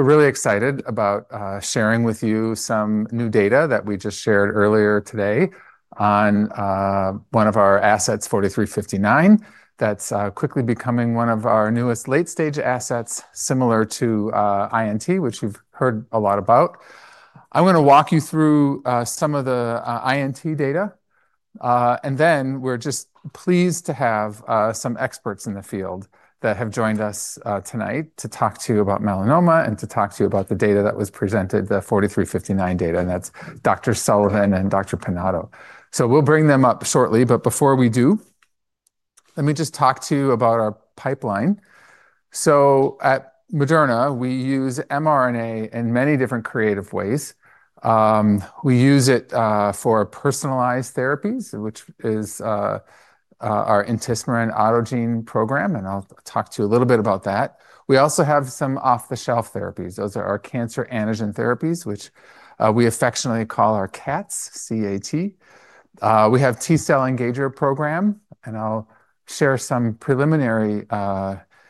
We're really excited about sharing with you some new data that we just shared earlier today on one of our assets, mRNA-4359, that's quickly becoming one of our newest late-stage assets, similar to INT, which you've heard a lot about. I'm going to walk you through some of the INT data. We're just pleased to have some experts in the field that have joined us tonight to talk to you about melanoma and to talk to you about the data that was presented, the mRNA-4359 data. That's Dr. Sullivan and Dr. Pinato. We'll bring them up shortly. Before we do, let me just talk to you about our pipeline. At Moderna, we use mRNA in many different creative ways. We use it for personalized therapies, which is our intismeran autogene program. I'll talk to you a little bit about that. We also have some off-the-shelf therapies. Those are our cancer antigen therapies, which we affectionately call our CATs. We have a T-cell engager program. I'll share some preliminary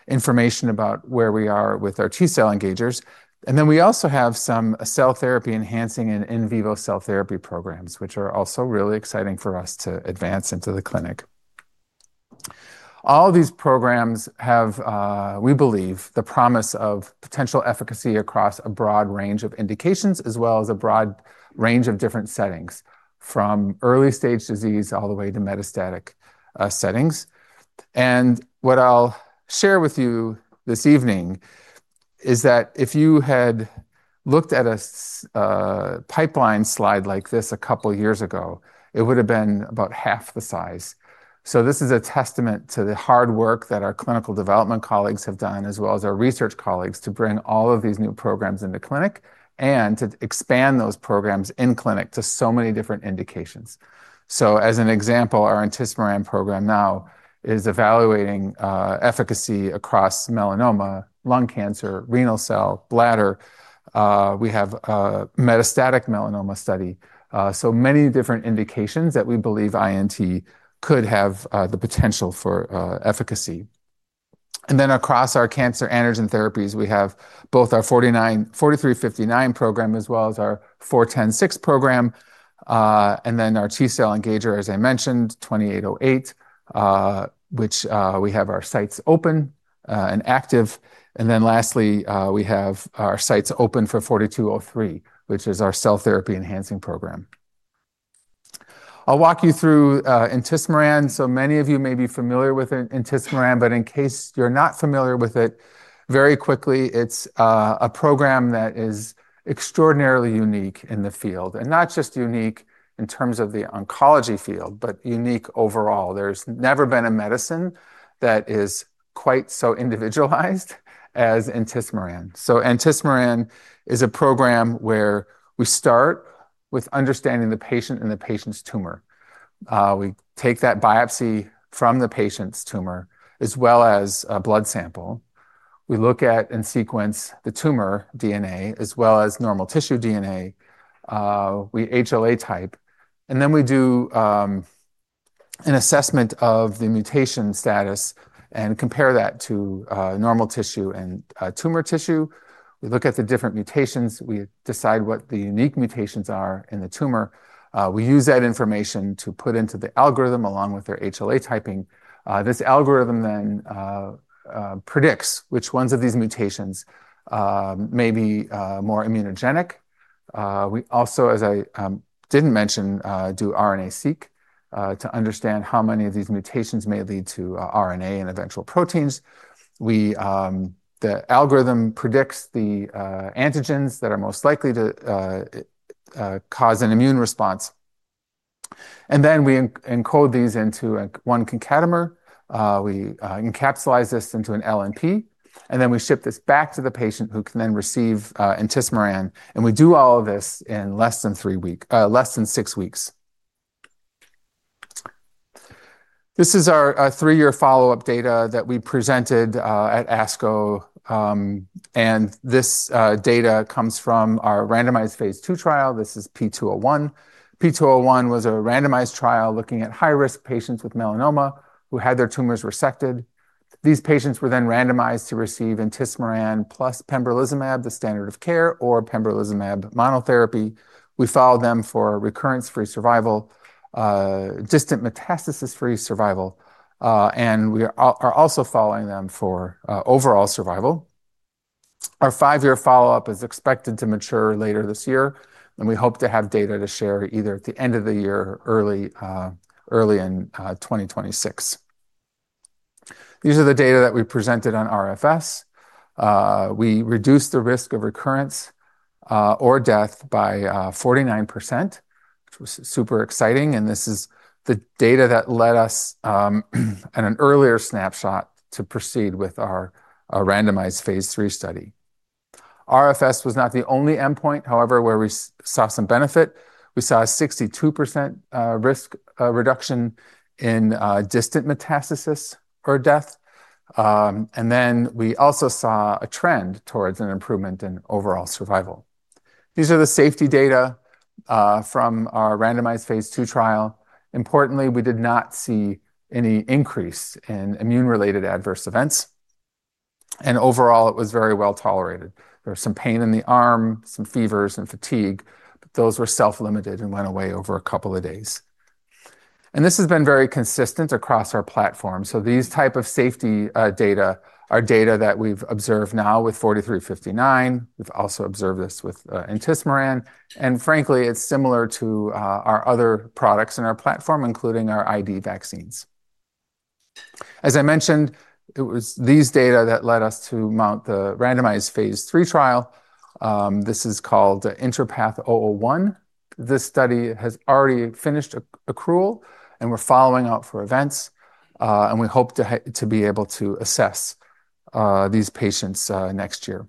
information about where we are with our T-cell engagers. We also have some cell therapy enhancing and in-vivo cell therapy programs, which are also really exciting for us to advance into the clinic. All of these programs have, we believe, the promise of potential efficacy across a broad range of indications, as well as a broad range of different settings, from early-stage disease all the way to metastatic settings. What I'll share with you this evening is that if you had looked at a pipeline slide like this a couple of years ago, it would have been about half the size. This is a testament to the hard work that our clinical development colleagues have done, as well as our research colleagues, to bring all of these new programs into clinic and to expand those programs in clinic to so many different indications. As an example, our INT program now is evaluating efficacy across melanoma, lung cancer, renal cell, bladder. We have a metastatic melanoma study, so many different indications that we believe INT could have the potential for efficacy. Across our cancer antigen therapies, we have both our mRNA-4359 program, as well as our mRNA-4106 program. Our T-cell engager, as I mentioned, mRNA-2808, which we have our sites open and active. Lastly, we have our sites open for mRNA-4203, which is our cell therapy enhancing program. I'll walk you through intismeran. Many of you may be familiar with intismeran. In case you're not familiar with it, very quickly, it's a program that is extraordinarily unique in the field, and not just unique in terms of the oncology field, but unique overall. There's never been a medicine that is quite so individualized as the individualized as antismeran. So, antismeran is a program where we start with understanding the patient and the patient's tumor. We take that biopsy from the patient's tumor, as well as a blood sample. We look at and sequence the tumor DNA, as well as normal tissue DNA. We HLA type, and then we do an assessment of the mutation status and compare that to normal tissue and tumor tissue. We look at the different mutations. We decide what the unique mutations are in the tumor. We use that information to put into the algorithm, along with their HLA typing. This algorithm then predicts which ones of these mutations may be more immunogenic. We also, as I didn't mention, do RNA-seq to understand how many of these mutations may lead to RNA and eventual proteins. The algorithm predicts the antigens that are most likely to cause an immune response. Then we encode these into one concatemer. We encapsulate this into an LNP. We ship this back to the patient, who can then receive the intismeran. We do all of this in less than six weeks. This is our three-year follow-up data that we presented at ASCO. This data comes from our randomized phase II trial. This is P201. P201 was a randomized trial looking at high-risk patients with melanoma, who had their tumors resected. These patients were then randomized to receive the intismeran plus pembrolizumab, the standard of care, or pembrolizumab monotherapy. We followed them for recurrence-free survival, distant metastasis-free survival, and we are also following them for overall survival. Our five-year follow-up is expected to mature later this year. We hope to have data to share either at the end of the year or early in 2026. These are the data that we presented on RFS. We reduced the risk of recurrence or death by 49%, which was super exciting. This is the data that led us at an earlier snapshot to proceed with our randomized phase III study. RFS was not the only endpoint, however, where we saw some benefit. We saw a 62% risk reduction in distant metastasis or death. We also saw a trend towards an improvement in overall survival. These are the safety data from our randomized phase II trial. Importantly, we did not see any increase in immune-related adverse events. Overall, it was very well tolerated. There was some pain in the arm, some fevers, and fatigue. Those were self-limited and went away over a couple of days. This has been very consistent across our platform. These types of safety data are data that we've observed now with mRNA-4359. We've also observed this with intismeran. Frankly, it's similar to our other products in our platform, including our ID vaccines. As I mentioned, it was these data that led us to mount the randomized phase III trial. This is called INTRAPATH-001. This study has already finished accrual. We're following up for events, and we hope to be able to assess these patients next year.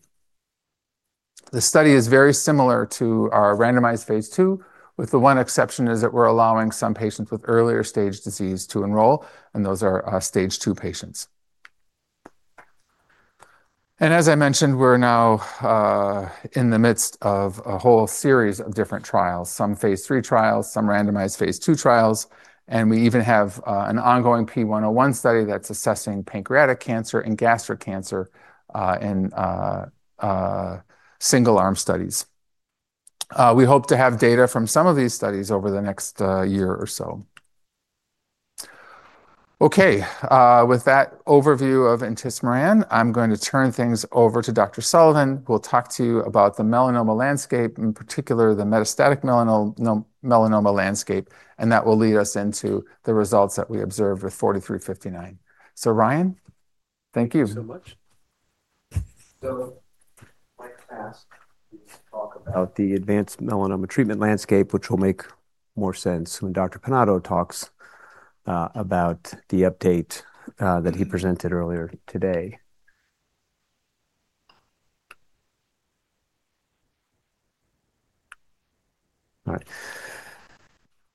The study is very similar to our randomized phase II, with the one exception that we're allowing some patients with earlier-stage disease to enroll. Those are Stage II patients. As I mentioned, we're now in the midst of a whole series of different trials, some phase III trials, some randomized phase II trials. We even have an ongoing P101 study that's assessing pancreatic cancer and gastric cancer in single-arm studies. We hope to have data from some of these studies over the next year or so. With that overview of intismeran, I'm going to turn things over to Dr. Sullivan, who will talk to you about the melanoma landscape, in particular, the metastatic melanoma landscape. That will lead us into the results that we observed with 4359. Ryan. Thank you so much. I'd like to talk about the advanced melanoma treatment landscape, which will make more sense when Dr. Pinato talks about the update that he presented earlier today.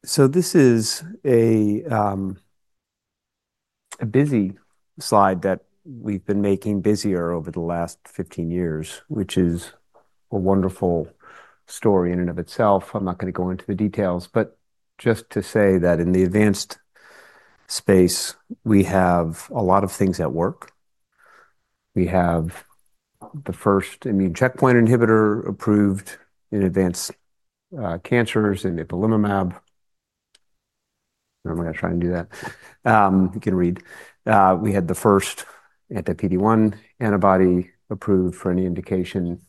This is a busy slide that we've been making busier over the last 15 years, which is a wonderful story in and of itself. I'm not going to go into the details, but just to say that in the advanced space, we have a lot of things at work. We have the first immune checkpoint inhibitor approved in advanced cancers in ipilimumab. Normally, I try and do that. You can read. We had the first anti-PD-1 antibody approved for any indication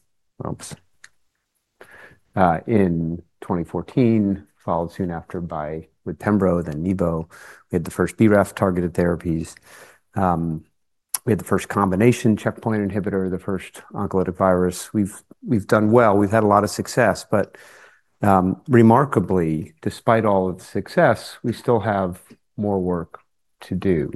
in 2014, followed soon after by pembro, then nivo. We had the first BRAF-targeted therapies. We had the first combination checkpoint inhibitor, the first oncolytic virus. We've done well. We've had a lot of success. Remarkably, despite all of the success, we still have more work to do.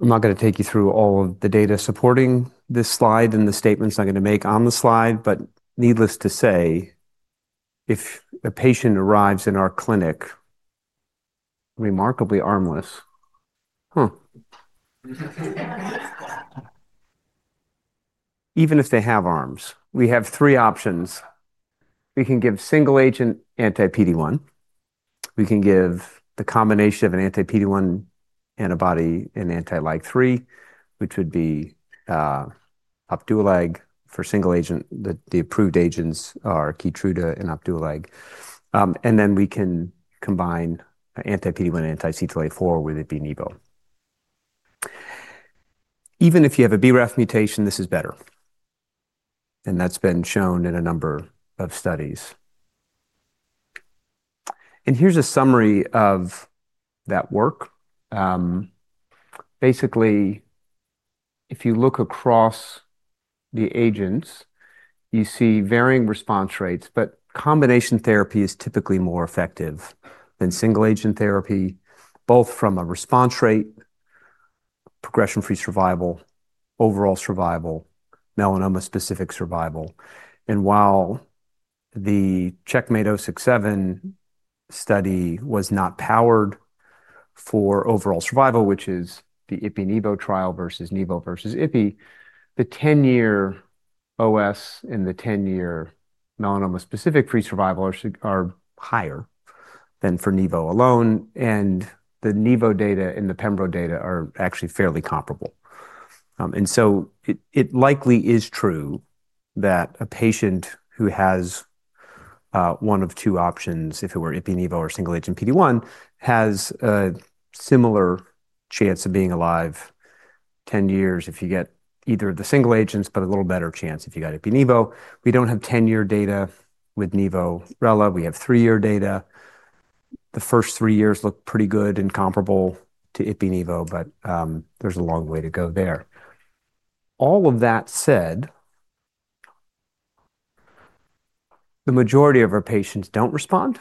I'm not going to take you through all of the data supporting this slide and the statements I'm going to make on the slide. Needless to say, if a patient arrives in our clinic remarkably armless, even if they have arms, we have three options. We can give single-agent anti-PD-1. We can give the combination of an anti-PD-1 antibody and anti-LAG-3, which would be Opdualag for single agent. The approved agents are Keytruda and Opdualeg. We can combine anti-PD-1 and anti-CTLA-4, whether it be Nivo. Even if you have a BRAF mutation, this is better, and that's been shown in a number of studies. Here's a summary of that work. Basically, if you look across the agents, you see varying response rates, but combination therapy is typically more effective than single-agent therapy, both from a response rate, progression-free survival, overall survival, melanoma-specific survival. While the CheckMate 067 study was not powered for overall survival, which is the IPI-NIVO trial versus Nivo versus IPI, the 10-year OS and the 10-year melanoma-specific-free survival are higher than for Nivo alone. The Nivo data and the bembro data are actually fairly comparable. It likely is true that a patient who has one of two options, if it were IPI-NIVO or single-agent PD-1, has a similar chance of being alive 10 years if you get either the single agents, but a little better chance if you got IPI-NIVO. We don't have 10-year data with Nivo/Rela. We have three-year data. The first three years look pretty good and comparable to IPI-Nivo. There's a long way to go there. All of that said, the majority of our patients don't respond,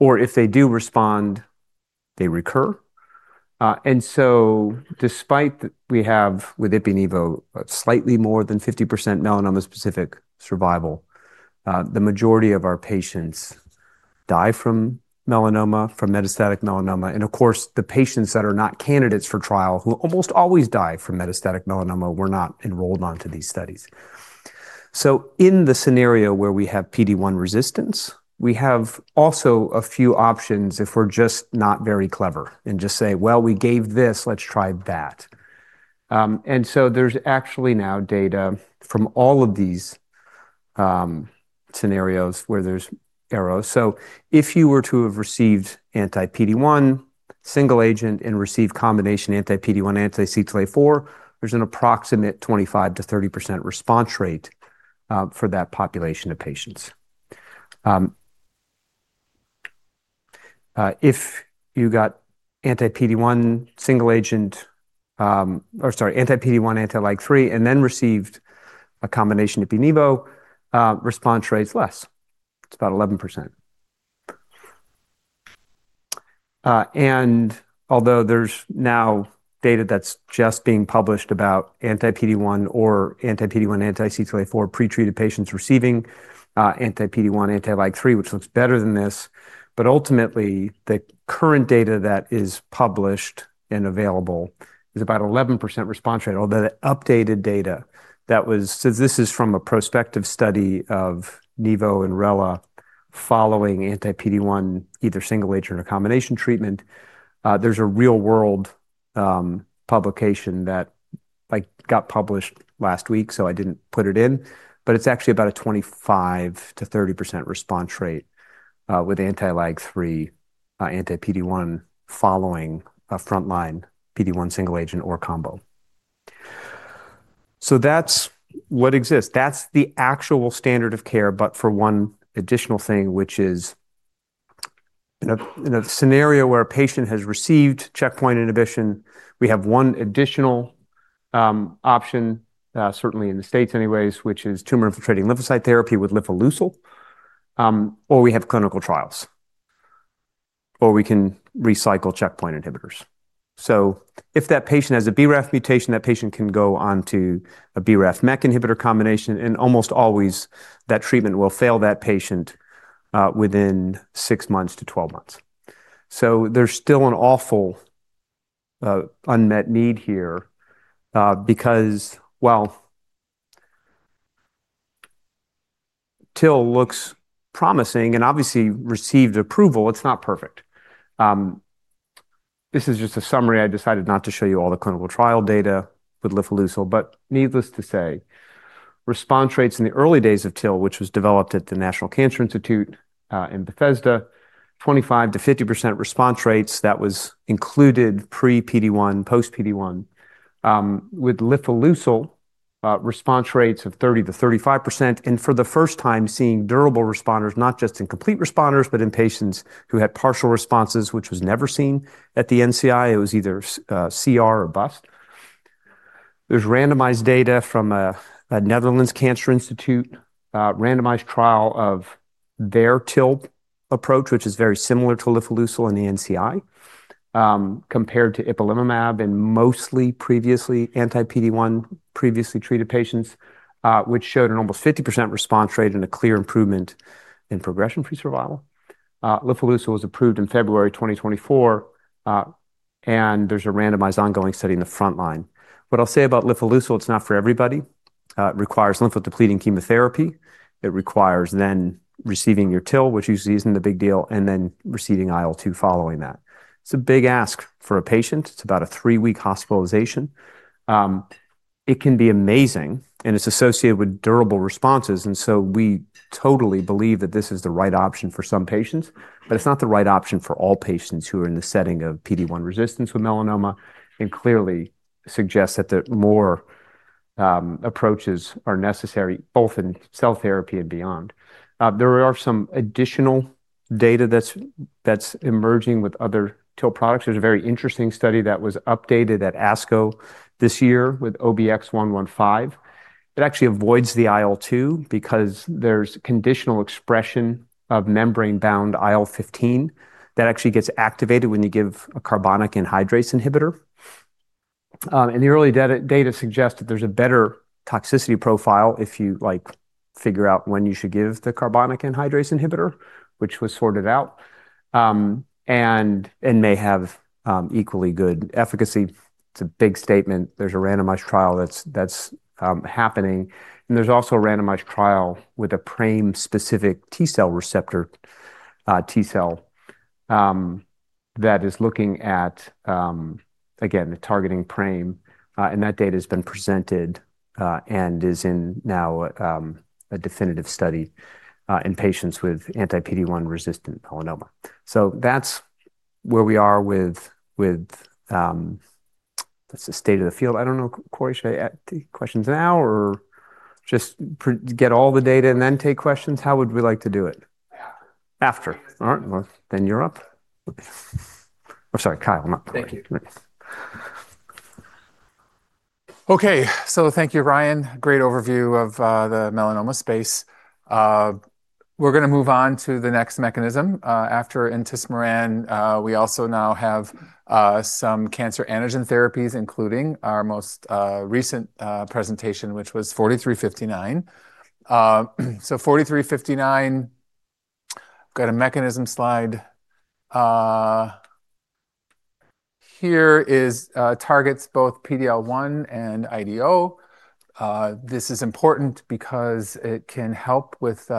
or if they do respond, they recur. Despite that we have, with IPI-NIVO, slightly more than 50% melanoma-specific survival, the majority of our patients die from melanoma, from metastatic melanoma. The patients that are not candidates for trial, who almost always die from metastatic melanoma, were not enrolled onto these studies. In the scenario where we have PD-1 resistance, we have also a few options if we're just not very clever and just say, we gave this, let's try that. There's actually now data from all of these scenarios where there's error. If you were to have received anti-PD-1 single agent and received combination anti-PD-1 and anti-CTLA-4, there's an approximate 25%-30% response rate for that population of patients. If you got anti-PD-1 single agent or, sorry, anti-PD-1, anti-LAG-3, and then received a combination IPI-NIVO, response rate's less. It's about 11%. Although there's now data that's just being published about anti-PD-1 or anti-PD-1, anti-CTLA-4 pretreated patients receiving anti-PD-1, anti-LAG-3, which looks better than this, ultimately, the current data that is published and available is about 11% response rate. The updated data that was, since this is from a prospective study of Nivo and Rela following anti-PD-1, either single agent or combination treatment, there's a real-world publication that got published last week. I didn't put it in, but it's actually about a 25%-30% response rate with anti-LAG-3, anti-PD-1 following a frontline PD-1 single agent or combo. That's what exists. That's the actual standard of care, but for one additional thing, which is in a scenario where a patient has received checkpoint inhibition, we have one additional option, certainly in the States anyways, which is tumor-infiltrating lymphocyte therapy with lifalusil or we have clinical trials, or we can recycle checkpoint inhibitors. If that patient has a BRAF mutation, that patient can go onto a BRAF-MEK inhibitor combination, and almost always, that treatment will fail that patient within 6 months-12 months. There's still an awful unmet need here because TIL looks promising, and obviously, you've received approval. It's not perfect. This is just a summary. I decided not to show you all the clinical trial data with lifalusil. Needless to say, response rates in the early days of TIL, which was developed at the National Cancer Institute in Bethesda, were 25%-50% response rates. That was included pre-PD-1, post-PD-1, with lifalusil response rates of 30%-35%. For the first time, seeing durable responders, not just incomplete responders, but in patients who had partial responses, which was never seen at the NCI. It was either CR or BUS. There is randomized data from a Netherlands Cancer Institute, a randomized trial of their TIL approach, which is very similar to lifalusil in the NCI, compared to ipilimumab and mostly previously anti-PD-1 previously treated patients, which showed an almost 50% response rate and a clear improvement in progression-free survival. Lifalusil was approved in February 2024. There is a randomized ongoing study in the front line. What I'll say about lifalusil, it's not for everybody. It requires lymphodepleting chemotherapy. It requires then receiving your TIL, which usually isn't a big deal, and then receiving IL-2 following that. It's a big ask for a patient. It's about a three-week hospitalization. It can be amazing. It's associated with durable responses. We totally believe that this is the right option for some patients. It's not the right option for all patients who are in the setting of PD-1 resistance with melanoma. Clearly, it suggests that more approaches are necessary, both in cell therapy and beyond. There are some additional data that's emerging with other TIL products. There is a very interesting study that was updated at ASCO this year with OBX-115. It actually avoids the IL-2 because there's conditional expression of membrane-bound IL-15 that actually gets activated when you give a carbonic anhydrase inhibitor. The early data suggests that there's a better toxicity profile if you figure out when you should give the carbonic anhydrase inhibitor, which was sorted out, and may have equally good efficacy. It's a big statement. There is a randomized trial that's happening. There is also a randomized trial with a PRAME-specific T-cell receptor, T-cell, that is looking at, again, targeting PRAME. That data has been presented and is now a definitive study in patients with anti-PD-1 resistant melanoma. That's where we are with the state of the field. I don't know, Corey, should I take questions now or just get all the data and then take questions? How would we like to do it? After. All right. You're up. Oh, sorry, Kyle, not Corey. Thank you. OK. Thank you, Ryan. Great overview of the melanoma space. We're going to move on to the next mechanism. After intismeran, we also now have some cancer antigen therapies, including our most recent presentation, which was mRNA-4359. mRNA-4359, I've got a mechanism slide here. It targets both PD-L1 and IDO. This is important because it can help with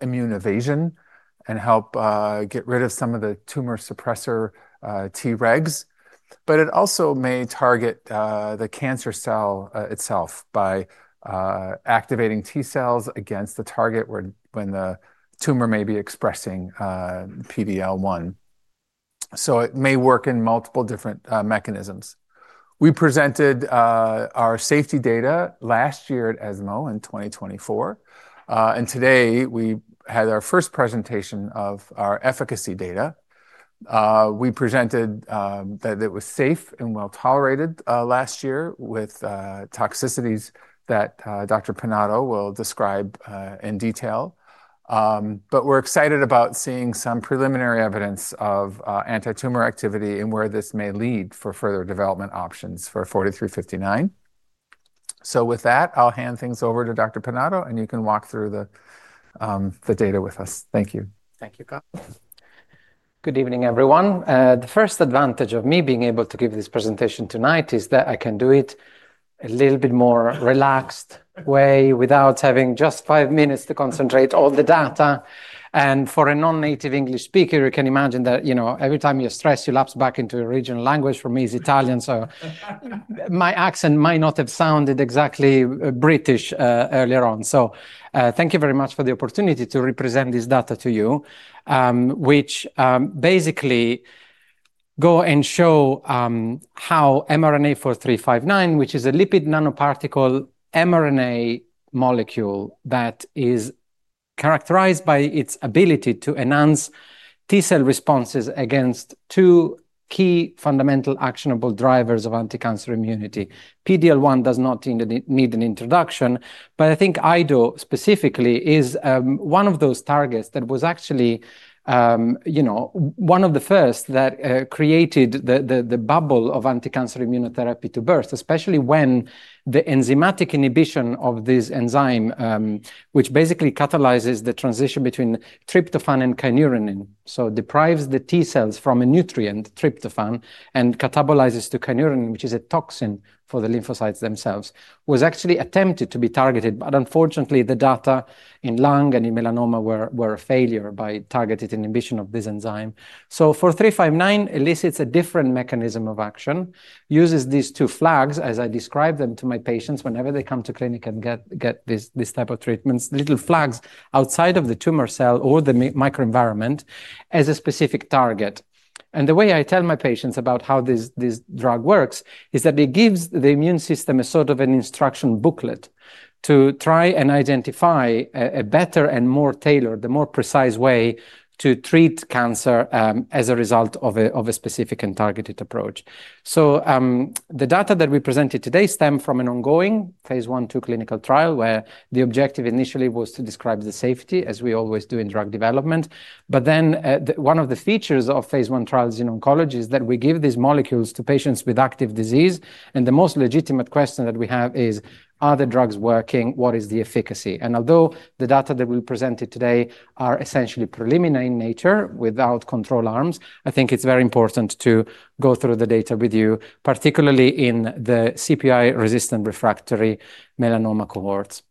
immune evasion and help get rid of some of the tumor suppressor T-regs. It also may target the cancer cell itself by activating T-cells against the target when the tumor may be expressing PD-L1. It may work in multiple different mechanisms. We presented our safety data last year at ESMO in 2024. Today, we had our first presentation of our efficacy data. We presented that it was safe and well tolerated last year with toxicities that Dr. Pinato will describe in detail. We're excited about seeing some preliminary evidence of anti-tumor activity and where this may lead for further development options for mRNA-4359. With that, I'll hand things over to Dr. Pinato. You can walk through the data with us. Thank you. Thank you, Kyle. Good evening, everyone. The first advantage of me being able to give this presentation tonight is that I can do it in a little bit more relaxed way without having just five minutes to concentrate on all the data. For a non-native English speaker, you can imagine that every time you're stressed, you lapse back into your original language, for me, is Italian. My accent might not have sounded exactly British earlier on. Thank you very much for the opportunity to represent this data to you, which basically goes and shows how mRNA-4359, which is a lipid nanoparticle mRNA molecule that is characterized by its ability to enhance T-cell responses against two key fundamental actionable drivers of anti-cancer immunity. PD-L1 does not need an introduction. I think IDO specifically is one of those targets that was actually one of the first that created the bubble of anti-cancer immunotherapy to burst, especially when the enzymatic inhibition of this enzyme, which basically catalyzes the transition between tryptophan and kynurenine, so deprives the T-cells from a nutrient, tryptophan, and catabolizes to kynurenine, which is a toxin for the lymphocytes themselves, was actually attempted to be targeted. Unfortunately, the data in lung and in melanoma were a failure by targeted inhibition of this enzyme. mRNA-4359 elicits a different mechanism of action, uses these two flags, as I describe them to my patients whenever they come to clinic and get these types of treatments, little flags outside of the tumor cell or the microenvironment, as a specific target. The way I tell my patients about how this drug works is that it gives the immune system a sort of an instruction booklet to try and identify a better and more tailored, the more precise way to treat cancer as a result of a specific and targeted approach. The data that we presented today stem from an ongoing phase I-II clinical trial, where the objective initially was to describe the safety, as we always do in drug development. One of the features of phase I trials in oncology is that we give these molecules to patients with active disease. The most legitimate question that we have is, are the drugs working? What is the efficacy? Although the data that we presented today are essentially preliminary in nature without control arms, I think it's very important to go through the data with you, particularly in the CPI-resistant refractory melanoma cohorts.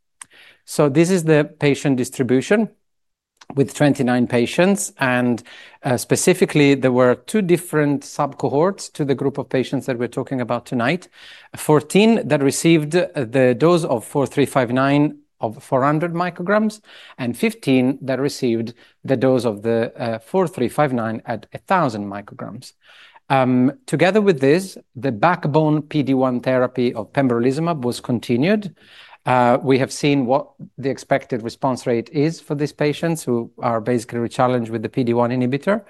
This is the patient distribution with 29 patients. Specifically, there were two different subcohorts to the group of patients that we're talking about tonight: 14 that received the dose of mRNA-4359 of 400 μg and 15 that received the dose of the mRNA-4359 at 1,000 μg. Together with this, the backbone PD-1 therapy of pembrolizumab was continued. We have seen what the expected response rate is for these patients who are basically challenged with the PD-1 inhibitor.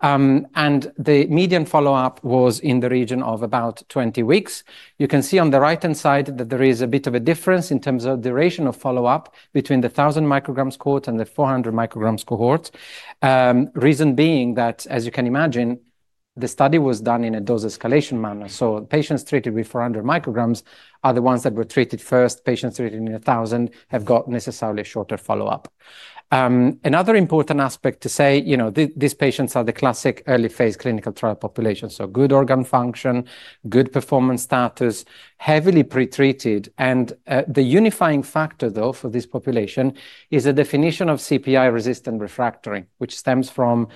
The median follow-up was in the region of about 20 weeks. You can see on the right-hand side that there is a bit of a difference in terms of the duration of follow-up between the 1,000 μg cohort and the 400 μg cohort, the reason being that, as you can imagine, the study was done in a dose escalation manner. Patients treated with 400 μg are the ones that were treated first. Patients treated in 1,000 μg have got necessarily a shorter follow-up. Another important aspect to say, these patients are the classic early-phase clinical trial population, so good organ function, good performance status, heavily pretreated. The unifying factor, though, for this population is a definition of CPI-resistant refractory, which stems from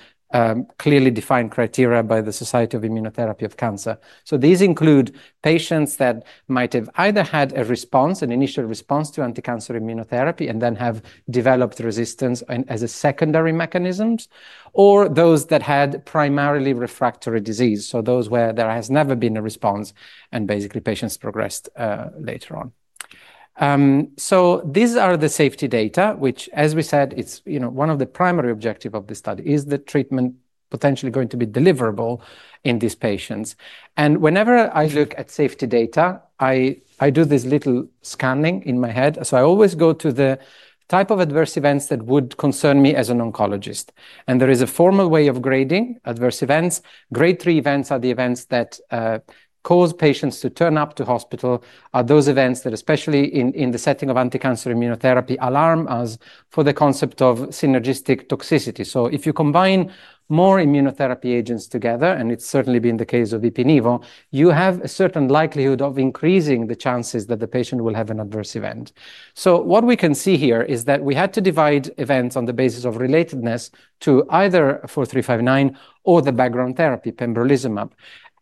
clearly defined criteria by the Society of Immunotherapy of Cancer. These include patients that might have either had an initial response to anti-cancer immunotherapy and then have developed resistance as a secondary mechanism, or those that had primarily refractory disease, so those where there has never been a response and basically patients progressed later on. These are the safety data, which, as we said, one of the primary objectives of this study is the treatment potentially going to be deliverable in these patients. Whenever I look at safety data, I do this little scanning in my head. I always go to the type of adverse events that would concern me as an oncologist. There is a formal way of grading adverse events. Grade III events are the events that cause patients to turn up to hospital. Those events that, especially in the setting of anti-cancer immunotherapy, alarm us for the concept of synergistic toxicity. If you combine more immunotherapy agents together, and it's certainly been the case of IPI-NIVO, you have a certain likelihood of increasing the chances that the patient will have an adverse event. What we can see here is that we had to divide events on the basis of relatedness to either mRNA-4359 or the background therapy, pembrolizumab.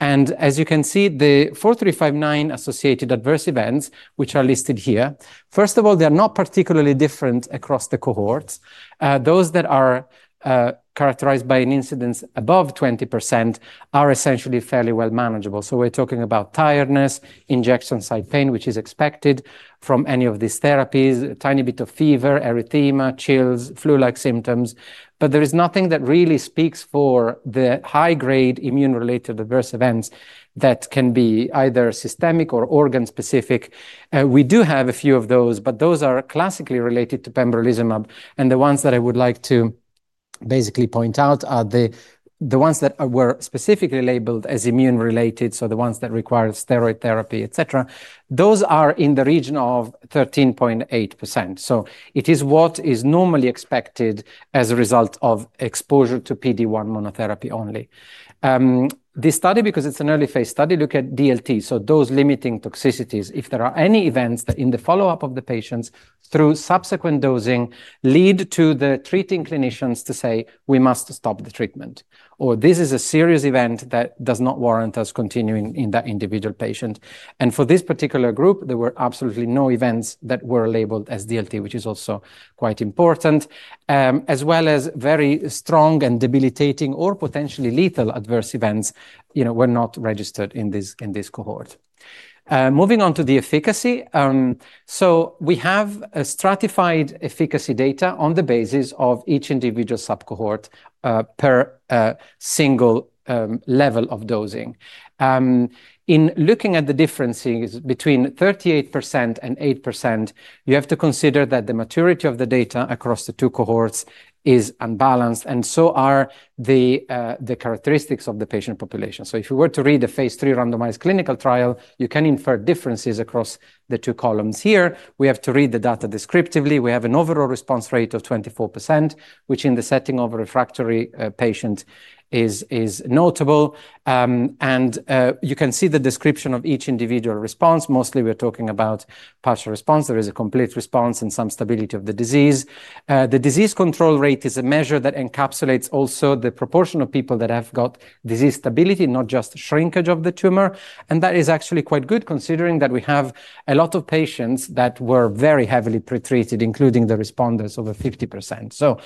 As you can see, the mRNA-4359-associated adverse events, which are listed here, first of all, they are not particularly different across the cohorts. Those that are characterized by an incidence above 20% are essentially fairly well manageable. We're talking about tiredness, injection site pain, which is expected from any of these therapies, a tiny bit of fever, erythema, chills, flu-like symptoms. There is nothing that really speaks for the high-grade immune-related adverse events that can be either systemic or organ-specific. We do have a few of those, but those are classically related to pembrolizumab. The ones that I would like to basically point out are the ones that were specifically labeled as immune-related, so the ones that require steroid therapy, etc. Those are in the region of 13.8%. It is what is normally expected as a result of exposure to PD-1 monotherapy only. This study, because it's an early-phase study, looked at DLT, so dose-limiting toxicities, if there are any events that in the follow-up of the patients through subsequent dosing lead to the treating clinicians to say, we must stop the treatment, or this is a serious event that does not warrant us continuing in that individual patient. For this particular group, there were absolutely no events that were labeled as DLT, which is also quite important, as well as very strong and debilitating or potentially lethal adverse events were not registered in this cohort. Moving on to the efficacy, we have stratified efficacy data on the basis of each individual subcohort per single level of dosing. In looking at the differences between 38% and 8%, you have to consider that the maturity of the data across the two cohorts is unbalanced, and so are the characteristics of the patient population. If you were to read a phase III randomized clinical trial, you can infer differences across the two columns here. We have to read the data descriptively. We have an overall response rate of 24%, which in the setting of a refractory patient is notable. You can see the description of each individual response. Mostly, we're talking about partial response. There is a complete response and some stability of the disease. The disease control rate is a measure that encapsulates also the proportion of people that have got disease stability, not just shrinkage of the tumor. That is actually quite good, considering that we have a lot of patients that were very heavily pretreated, including the responders over 50%.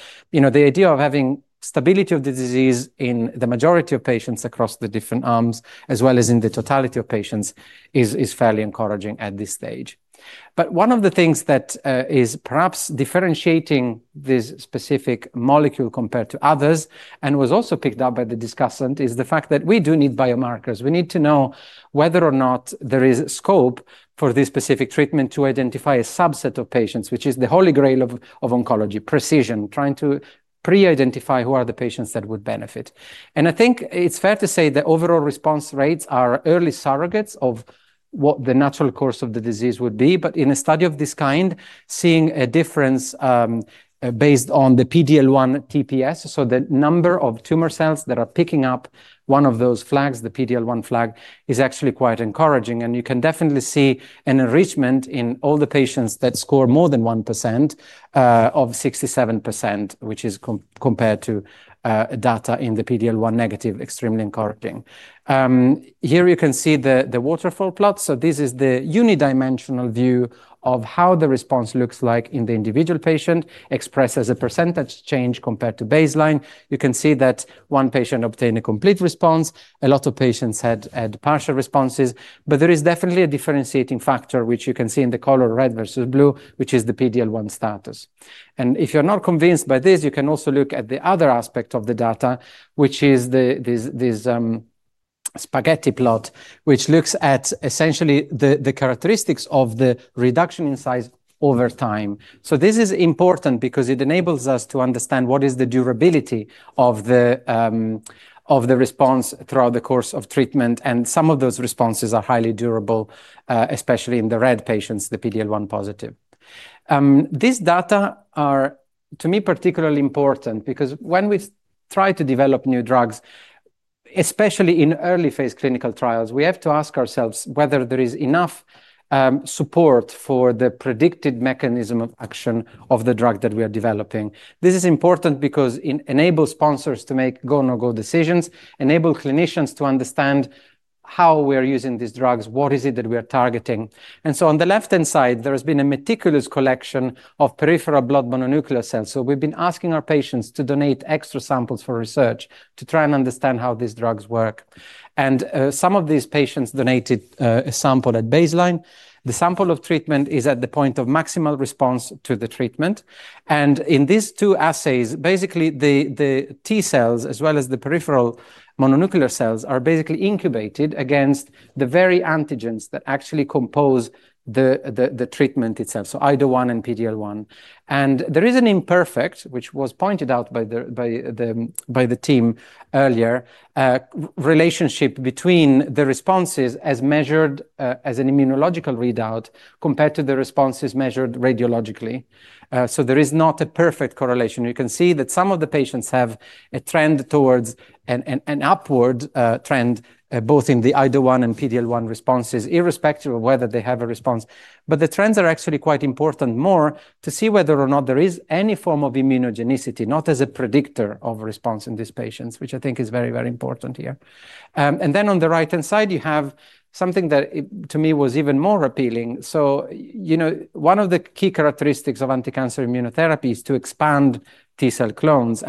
The idea of having stability of the disease in the majority of patients across the different arms, as well as in the totality of patients, is fairly encouraging at this stage. One of the things that is perhaps differentiating this specific molecule compared to others and was also picked up by the discussant is the fact that we do need biomarkers. We need to know whether or not there is scope for this specific treatment to identify a subset of patients, which is the holy grail of oncology, precision, trying to pre-identify who are the patients that would benefit. I think it's fair to say the overall response rates are early surrogates of what the natural course of the disease would be. In a study of this kind, seeing a difference based on the PD-L1 TPS, so the number of tumor cells that are picking up one of those flags, the PD-L1 flag, is actually quite encouraging. You can definitely see an enrichment in all the patients that score more than 1% of 67%, which is compared to data in the PD-L1 negative, extremely encouraging. Here, you can see the waterfall plot. This is the unidimensional view of how the response looks like in the individual patient, expressed as a percentage change compared to baseline. You can see that one patient obtained a complete response. A lot of patients had partial responses. There is definitely a differentiating factor, which you can see in the color red versus blue, which is the PD-L1 status. If you're not convinced by this, you can also look at the other aspect of the data, which is this spaghetti plot, which looks at essentially the characteristics of the reduction in size over time. This is important because it enables us to understand what is the durability of the response throughout the course of treatment. Some of those responses are highly durable, especially in the red patients, the PD-L1 positive. These data are, to me, particularly important because when we try to develop new drugs, especially in early-phase clinical trials, we have to ask ourselves whether there is enough support for the predicted mechanism of action of the drug that we are developing. This is important because it enables sponsors to make go/no-go decisions, enables clinicians to understand how we are using these drugs, what is it that we are targeting. On the left-hand side, there has been a meticulous collection of peripheral blood mononuclear cells. We've been asking our patients to donate extra samples for research to try and understand how these drugs work. Some of these patients donated a sample at baseline. The sample of treatment is at the point of maximal response to the treatment. In these two assays, basically, the T-cells, as well as the peripheral mononuclear cells, are incubated against the very antigens that actually compose the treatment itself, so IDO-1 and PD-L1. There is an imperfect, which was pointed out by the team earlier, relationship between the responses as measured as an immunological readout compared to the responses measured radiologically. There is not a perfect correlation. You can see that some of the patients have a trend towards an upward trend, both in the IDO-1 and PD-L1 responses, irrespective of whether they have a response. The trends are actually quite important, more to see whether or not there is any form of immunogenicity, not as a predictor of response in these patients, which I think is very, very important here. On the right-hand side, you have something that, to me, was even more appealing. One of the key characteristics of anti-cancer immunotherapy is to expand T-cell clones.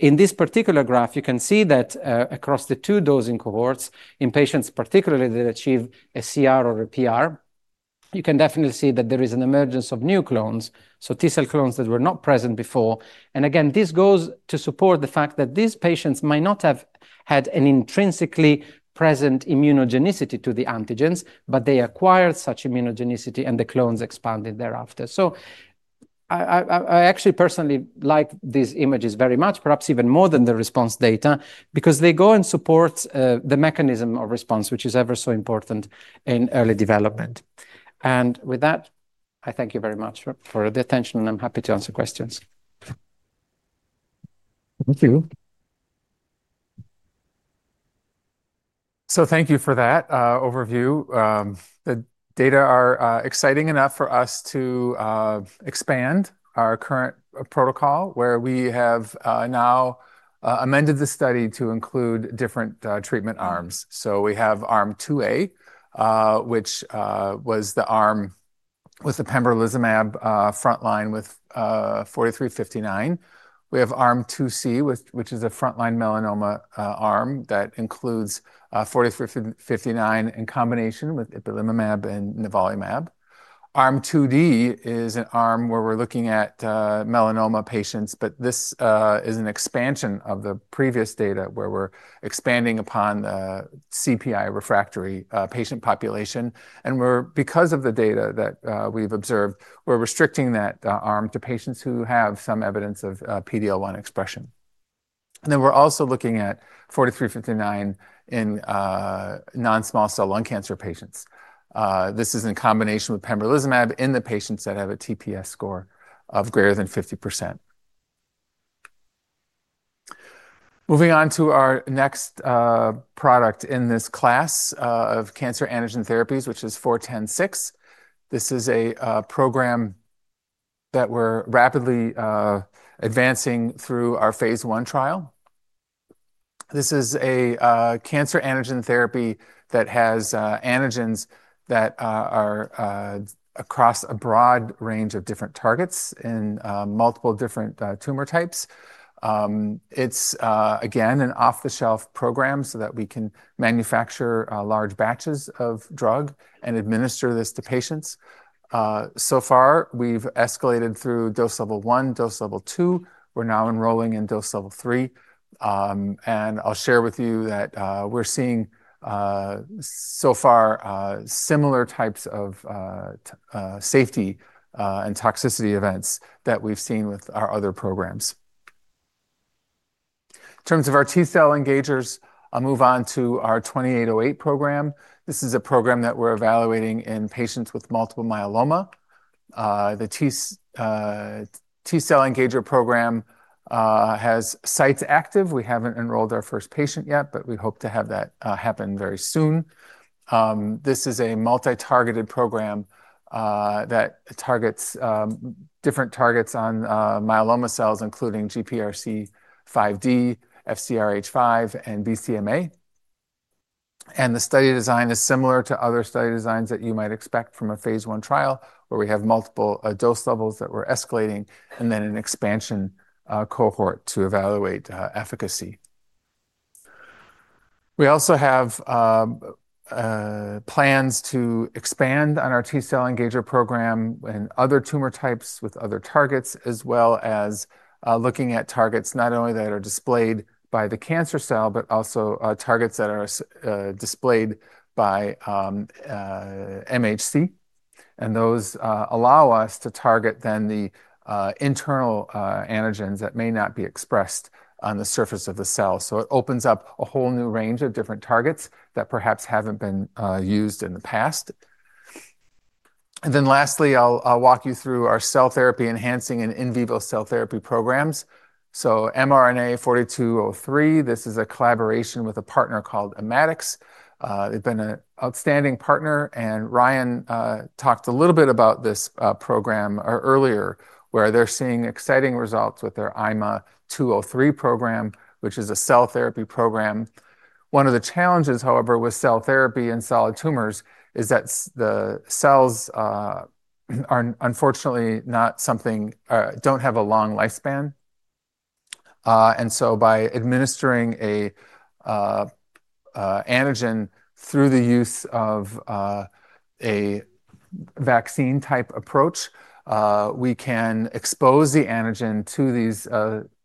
In this particular graph, you can see that across the two dosing cohorts, in patients particularly that achieve a CR or a PR, you can definitely see that there is an emergence of new clones, so T-cell clones that were not present before. This goes to support the fact that these patients might not have had an intrinsically present immunogenicity to the antigens. They acquired such immunogenicity, and the clones expanded thereafter. I actually personally like these images very much, perhaps even more than the response data, because they go and support the mechanism of response, which is ever so important in early development. With that, I thank you very much for the attention. I'm happy to answer questions. Thank you. Thank you for that overview. The data are exciting enough for us to expand our current protocol, where we have now amended the study to include different treatment arms. We have arm IIA, which was the arm with the pembrolizumab frontline with mRNA-4359. We have arm IIC, which is a frontline melanoma arm that includes mRNA-4359 in combination with ipilimumab and nivolumab. Arm IID is an arm where we're looking at melanoma patients. This is an expansion of the previous data, where we're expanding upon the CPI refractory patient population. Because of the data that we've observed, we're restricting that arm to patients who have some evidence of PD-L1 expression. We're also looking at mRNA-4359 in non-small cell lung cancer patients. This is in combination with pembrolizumab in the patients that have a TPS score of greater than 50%. Moving on to our next product in this class of cancer antigen therapies, which is mRNA-4106. This is a program that we're rapidly advancing through our phase I trial. This is a cancer antigen therapy that has antigens that are across a broad range of different targets in multiple different tumor types. It's, again, an off-the-shelf program so that we can manufacture large batches of drug and administer this to patients. So far, we've escalated through dose level I, dose level II. We're now enrolling in dose level III. I'll share with you that we're seeing so far similar types of safety and toxicity events that we've seen with our other programs. In terms of our T-cell engagers, I'll move on to our mRNA-2808 program. This is a program that we're evaluating in patients with multiple myeloma. The T-cell engager program has sites active. We haven't enrolled our first patient yet. We hope to have that happen very soon. This is a multi-targeted program that targets different targets on myeloma cells, including GPRC5D, FCRH5, and BCMA. The study design is similar to other study designs that you might expect from a phase I trial, where we have multiple dose levels that we're escalating and then an expansion cohort to evaluate efficacy. We also have plans to expand on our T-cell engager program in other tumor types with other targets, as well as looking at targets not only that are displayed by the cancer cell, but also targets that are displayed by MHC. Those allow us to target then the internal antigens that may not be expressed on the surface of the cell. It opens up a whole new range of different targets that perhaps haven't been used in the past. Lastly, I'll walk you through our cell therapy enhancing and in vivo cell therapy programs. mRNA-4203, this is a collaboration with a partner called Immatics. They've been an outstanding partner. Ryan talked a little bit about this program earlier, where they're seeing exciting results with their IMA-203 program, which is a cell therapy program. One of the challenges, however, with cell therapy in solid tumors is that the cells are unfortunately not something that don't have a long lifespan. By administering an antigen through the use of a vaccine-type approach, we can expose the antigen to these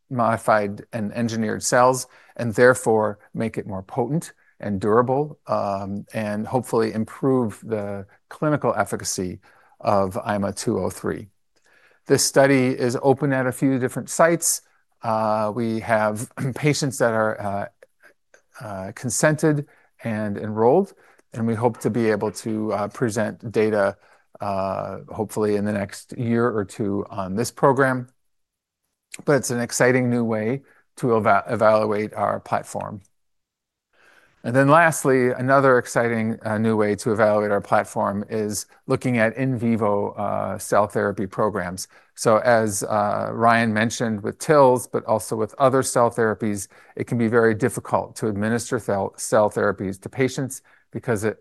modified and engineered cells and therefore make it more potent and durable and hopefully improve the clinical efficacy of IMA-203. This study is open at a few different sites. We have patients that are consented and enrolled. We hope to be able to present data, hopefully, in the next year or two on this program. It's an exciting new way to evaluate our platform. Lastly, another exciting new way to evaluate our platform is looking at in vivo cell therapy programs. As Ryan mentioned with TILs, but also with other cell therapies, it can be very difficult to administer cell therapies to patients because it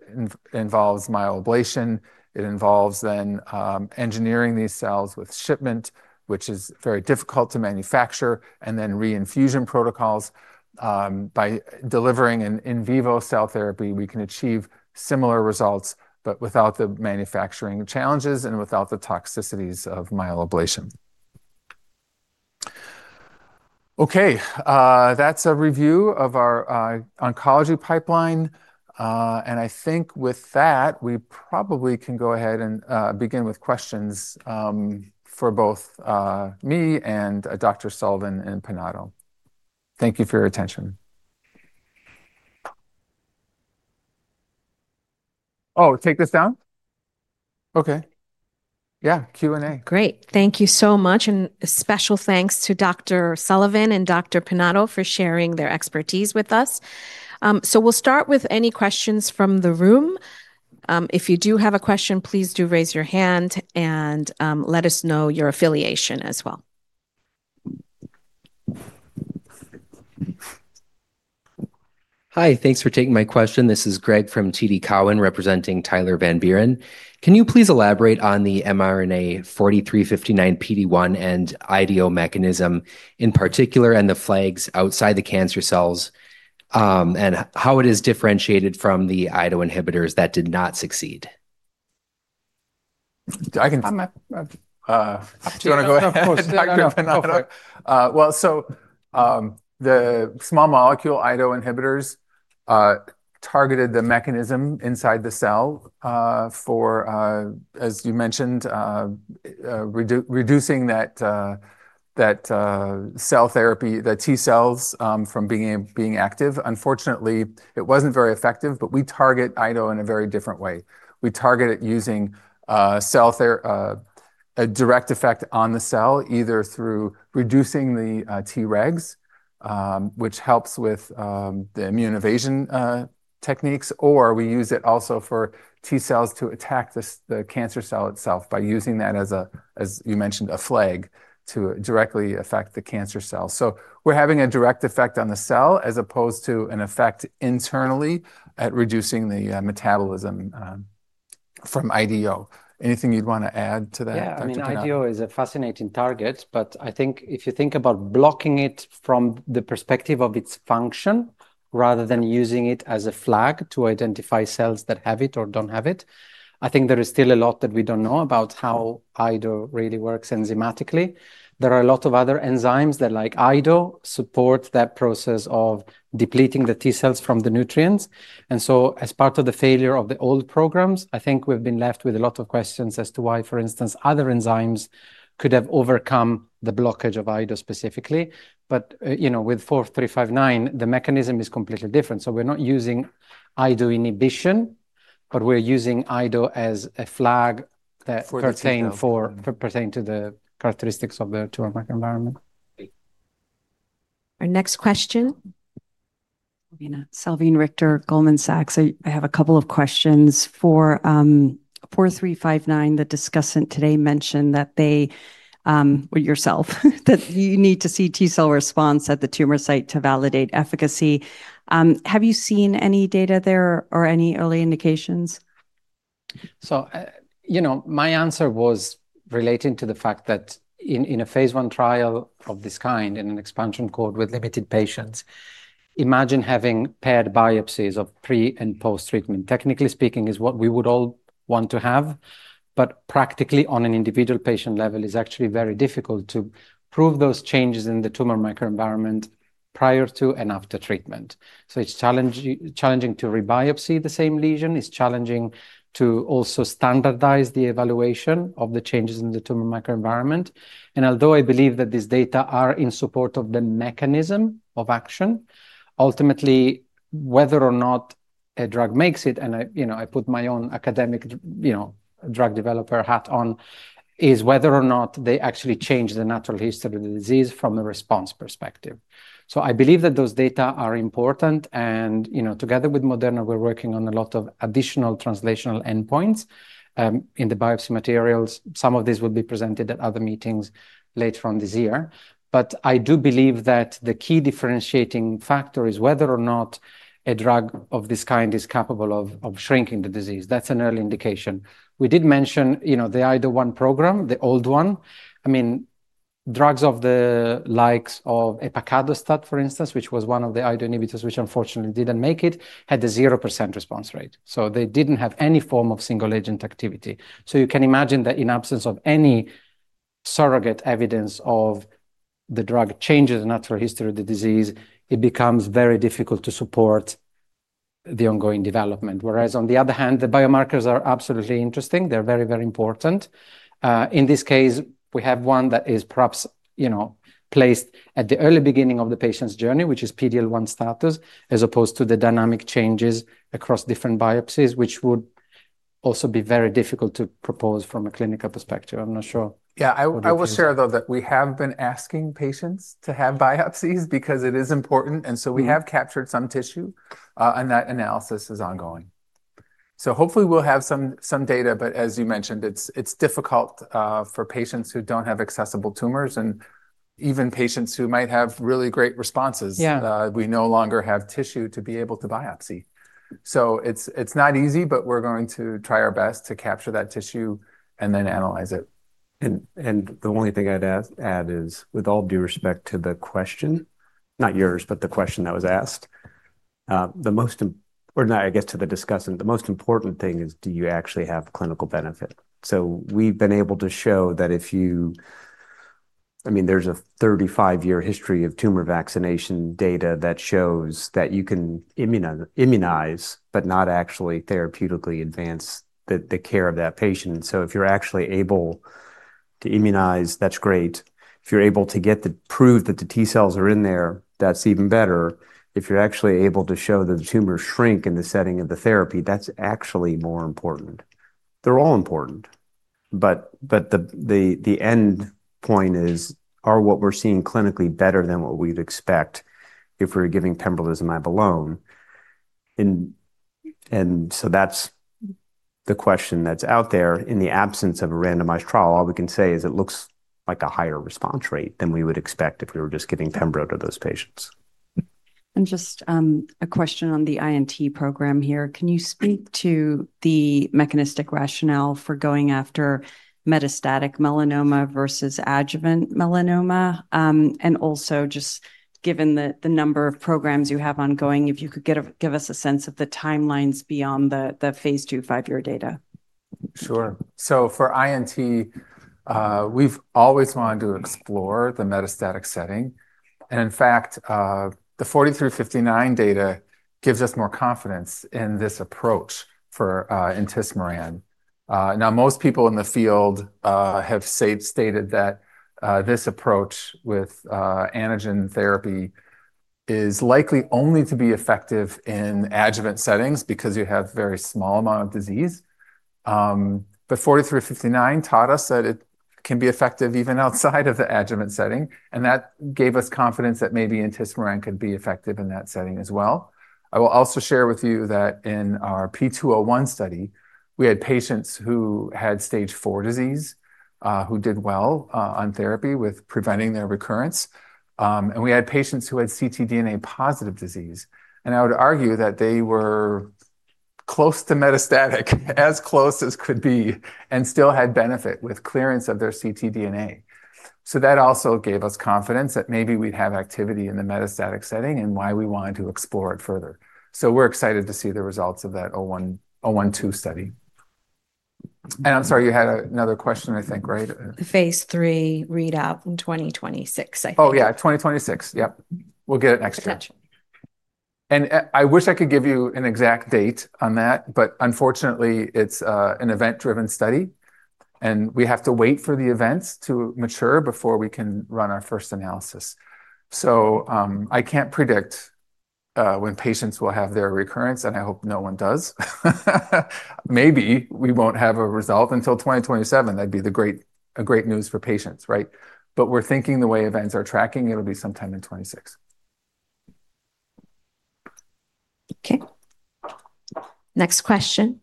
involves myoablation. It involves then engineering these cells with shipment, which is very difficult to manufacture, and then reinfusion protocols. By delivering an in vivo cell therapy, we can achieve similar results, but without the manufacturing challenges and without the toxicities of myoablation. That's a review of our oncology pipeline. I think with that, we probably can go ahead and begin with questions for both me and Dr. Sullivan and Dr. Pinato. Thank you for your attention. Oh, take this down? OK. Yeah, Q&A. Great. Thank you so much. Special thanks to Dr. Ryan Sullivan and Dr. Marco Pinato for sharing their expertise with us. We'll start with any questions from the room. If you do have a question, please raise your hand and let us know your affiliation as well. Hi. Thanks for taking my question. This is Greg from TD Cowen, representing Tyler Van Buren. Can you please elaborate on the mRNA-4359 PD-1 and IDO mechanism in particular and the flags outside the cancer cells and how it is differentiated from the IDO inhibitors that did not succeed? You want to go ahead? Of course. Dr. Pinato? The small molecule IDO inhibitors targeted the mechanism inside the cell for, as you mentioned, reducing that cell therapy, the T-cells from being active. Unfortunately, it wasn't very effective. We target IDO in a very different way. We target it using a direct effect on the cell, either through reducing the T-regs, which helps with the immune evasion techniques, or we use it also for T-cells to attack the cancer cell itself by using that as, you mentioned, a flag to directly affect the cancer cell. We're having a direct effect on the cell as opposed to an effect internally at reducing the metabolism from IDO. Anything you'd want to add to that, Dr. Pinato? Yeah, IDO is a fascinating target. I think if you think about blocking it from the perspective of its function rather than using it as a flag to identify cells that have it or don't have it, there is still a lot that we don't know about how IDO really works enzymatically. There are a lot of other enzymes that, like IDO, support that process of depleting the T-cells from the nutrients. As part of the failure of the old programs, we've been left with a lot of questions as to why, for instance, other enzymes could have overcome the blockage of IDO specifically. With mRNA-4359, the mechanism is completely different. We're not using IDO inhibition. We're using IDO as a flag that pertains to the characteristics of the tumor microenvironment. Our next question. Salveen Richter, Goldman Sachs. I have a couple of questions. For mRNA-4359, the discussant today mentioned that you need to see T-cell response at the tumor site to validate efficacy. Have you seen any data there or any early indications? My answer was relating to the fact that in a phase I trial of this kind in an expansion cohort with limited patients, imagine having paired biopsies of pre and post-treatment. Technically speaking, it's what we would all want to have. Practically, on an individual patient level, it's actually very difficult to prove those changes in the tumor microenvironment prior to and after treatment. It's challenging to rebiopsy the same lesion. It's challenging to also standardize the evaluation of the changes in the tumor microenvironment. Although I believe that these data are in support of the mechanism of action, ultimately, whether or not a drug makes it, and I put my own academic drug developer hat on, is whether or not they actually change the natural history of the disease from a response perspective. I believe that those data are important. Together with Moderna, we're working on a lot of additional translational endpoints in the biopsy materials. Some of these will be presented at other meetings later on this year. I do believe that the key differentiating factor is whether or not a drug of this kind is capable of shrinking the disease. That's an early indication. We did mention the IDO-1 program, the old one. I mean, drugs of the likes of epicardostat, for instance, which was one of the IDO inhibitors which unfortunately didn't make it, had a 0% response rate. They didn't have any form of single-agent activity. You can imagine that in absence of any surrogate evidence of the drug changing the natural history of the disease, it becomes very difficult to support the ongoing development. Whereas, on the other hand, the biomarkers are absolutely interesting. They're very, very important. In this case, we have one that is perhaps placed at the early beginning of the patient's journey, which is PD-L1 status, as opposed to the dynamic changes across different biopsies, which would also be very difficult to propose from a clinical perspective. I'm not sure. Yeah, I will share, though, that we have been asking patients to have biopsies because it is important. We have captured some tissue, and that analysis is ongoing. Hopefully, we'll have some data. As you mentioned, it's difficult for patients who don't have accessible tumors, and even patients who might have really great responses, we no longer have tissue to be able to biopsy. It's not easy. We're going to try our best to capture that tissue and then analyze it. The only thing I'd add is, with all due respect to the question, not yours, but the question that was asked, the most important, I guess, to the discussant, the most important thing is, do you actually have clinical benefit? We've been able to show that if you, I mean, there's a 35-year history of tumor vaccination data that shows that you can immunize but not actually therapeutically advance the care of that patient. If you're actually able to immunize, that's great. If you're able to prove that the T-cells are in there, that's even better. If you're actually able to show that the tumors shrink in the setting of the therapy, that's actually more important. They're all important. The end point is, are what we're seeing clinically better than what we'd expect if we were giving pembrolizumab alone? That's the question that's out there. In the absence of a randomized trial, all we can say is it looks like a higher response rate than we would expect if we were just giving pembrolizumab to those patients. Just a question on the INT program here. Can you speak to the mechanistic rationale for going after metastatic melanoma versus adjuvant melanoma? Also, just given the number of programs you have ongoing, if you could give us a sense of the timelines beyond the phase II five-year data. Sure. For INT, we've always wanted to explore the metastatic setting. In fact, the mRNA-4359 data gives us more confidence in this approach for intismeran. Most people in the field have stated that this approach with antigen therapy is likely only to be effective in adjuvant settings because you have a very small amount of disease. The mRNA-4359 taught us that it can be effective even outside of the adjuvant setting, and that gave us confidence that maybe intismeran could be effective in that setting as well. I will also share with you that in our P201 study, we had patients who had Stage IV disease who did well on therapy with preventing their recurrence. We had patients who had ctDNA positive disease, and I would argue that they were close to metastatic, as close as could be, and still had benefit with clearance of their ctDNA. That also gave us confidence that maybe we'd have activity in the metastatic setting and why we wanted to explore it further. We're excited to see the results of that 01/02 study. I'm sorry, you had another question, I think, right? The phase III readout in 2026, I think. Oh, yeah, 2026. Yep, we'll get it next year. Gotcha. I wish I could give you an exact date on that. Unfortunately, it's an event-driven study, and we have to wait for the events to mature before we can run our first analysis. I can't predict when patients will have their recurrence, and I hope no one does. Maybe we won't have a result until 2027. That'd be great news for patients, right? We're thinking the way events are tracking, it'll be sometime in 2026. OK. Next question.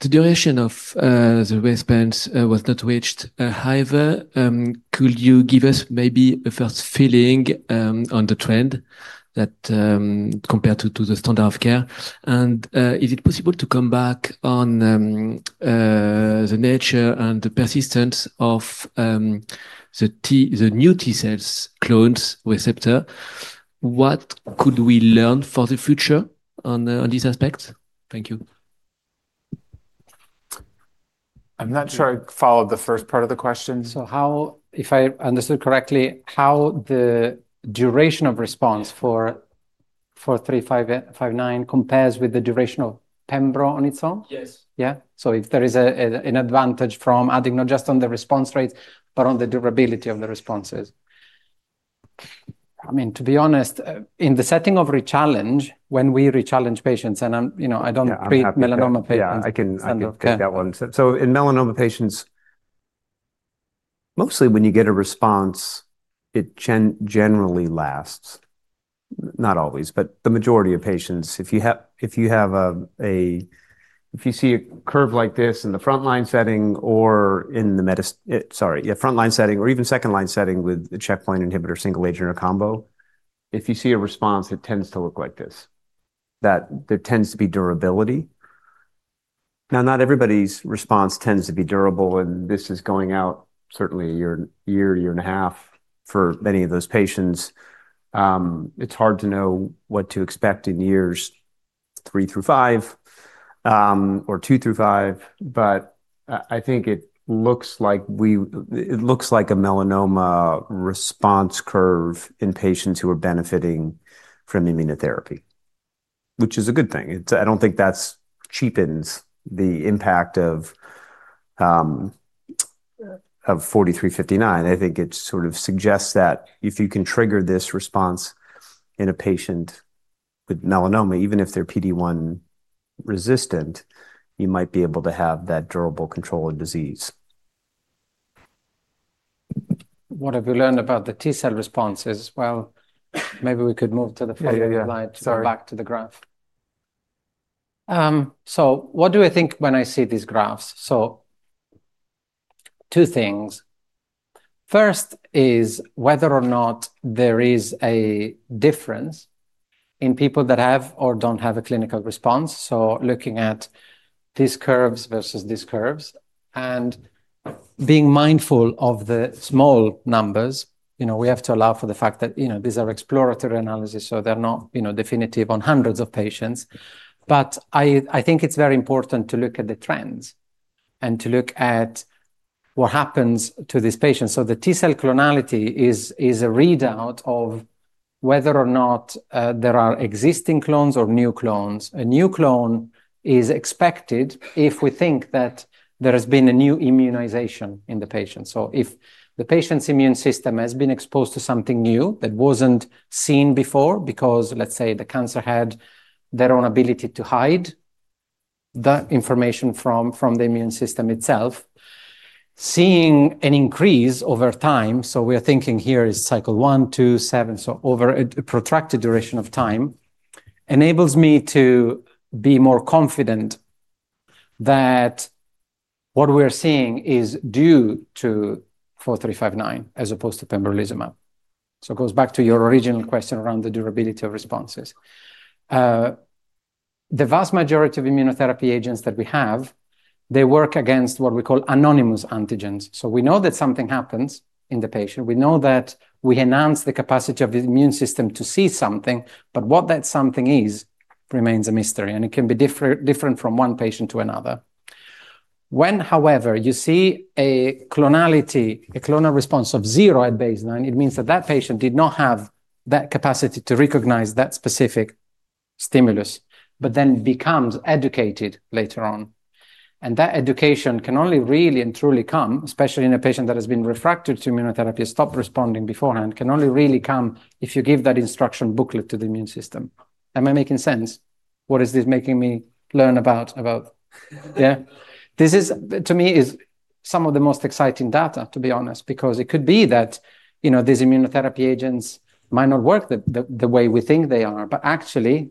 The duration of the response was not reached either. Could you give us maybe a first feeling on the trend compared to the standard of care? Is it possible to come back on the nature and the persistence of the new T-cell clones receptor? What could we learn for the future on these aspects? Thank you. I'm not sure I followed the first part of the question. If I understood correctly, how does the duration of response for mRNA-4359 compare with the duration of pembrolizumab on its own? Yeah, if there is an advantage from adding not just on the response rates, but on the durability of the responses. I mean, to be honest, in the setting of rechallenge, when we rechallenge patients, and I don't treat melanoma patients. Yeah, I can get that one. In melanoma patients, mostly when you get a response, it generally lasts, not always, but the majority of patients, if you see a curve like this in the frontline setting or in the, sorry, frontline setting or even second-line setting with a checkpoint inhibitor single agent or combo, if you see a response, it tends to look like this, that there tends to be durability. Not everybody's response tends to be durable. This is going out certainly a year, year and a half for many of those patients. It's hard to know what to expect in years three through five or two through five. I think it looks like a melanoma response curve in patients who are benefiting from immunotherapy, which is a good thing. I don't think that cheapens the impact of mRNA-4359. I think it sort of suggests that if you can trigger this response in a patient with melanoma, even if they're PD-1 resistant, you might be able to have that durable control in disease. What have we learned about the T-cell responses? Maybe we could move to the following slide. Yeah, yeah, yeah. Back to the graph. What do I think when I see these graphs? Two things. First is whether or not there is a difference in people that have or don't have a clinical response, looking at these curves versus these curves, and being mindful of the small numbers. We have to allow for the fact that these are exploratory analyses. They're not definitive on hundreds of patients. I think it's very important to look at the trends and to look at what happens to these patients. The T-cell clonality is a readout of whether or not there are existing clones or new clones. A new clone is expected if we think that there has been a new immunization in the patient. If the patient's immune system has been exposed to something new that wasn't seen before because, let's say, the cancer had their own ability to hide the information from the immune system itself, seeing an increase over time, we are thinking here is cycle one, two, seven, so over a protracted duration of time, enables me to be more confident that what we are seeing is due to mRNA-4359 as opposed to pembrolizumab. It goes back to your original question around the durability of responses. The vast majority of immunotherapy agents that we have work against what we call anonymous antigens. We know that something happens in the patient. We know that we enhance the capacity of the immune system to see something. What that something is remains a mystery. It can be different from one patient to another. When, however, you see a clonality, a clonal response of zero at baseline, it means that that patient did not have that capacity to recognize that specific stimulus, but then becomes educated later on. That education can only really and truly come, especially in a patient that has been refractory to immunotherapy, stopped responding beforehand, can only really come if you give that instruction booklet to the immune system. Am I making sense? What is this making me learn about? This is, to me, some of the most exciting data, to be honest, because it could be that these immunotherapy agents might not work the way we think they are. Actually,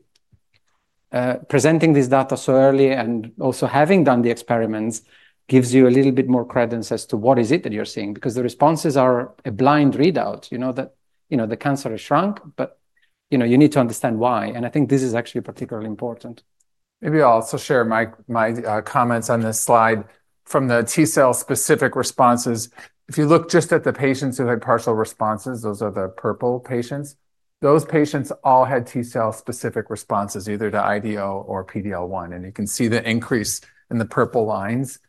presenting this data so early and also having done the experiments gives you a little bit more credence as to what is it that you're seeing because the responses are a blind readout. You know that the cancer has shrunk. You need to understand why. I think this is actually particularly important. Maybe I'll also share my comments on this slide from the T-cell specific responses. If you look just at the patients who had partial responses, those are the purple patients, those patients all had T-cell specific responses either to IDO or PD-L1. You can see the increase in the purple lines.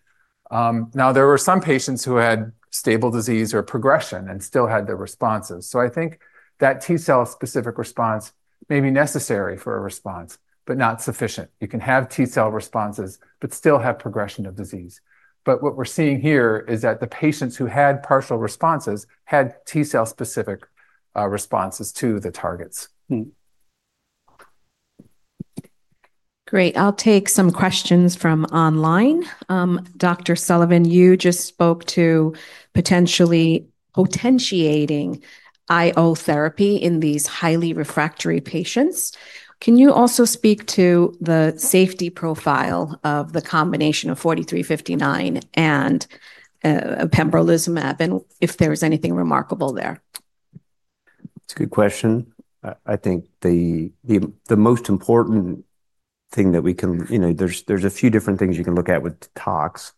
There were some patients who had stable disease or progression and still had the responses. I think that T-cell specific response may be necessary for a response, but not sufficient. You can have T-cell responses, but still have progression of disease. What we're seeing here is that the patients who had partial responses had T-cell specific responses to the targets. Great. I'll take some questions from online. Dr. Sullivan, you just spoke to potentially potentiating IO therapy in these highly refractory patients. Can you also speak to the safety profile of the combination of mRNA-4359 and pembrolizumab and if there is anything remarkable there? It's a good question. I think the most important thing that we can, there's a few different things you can look at with TOX.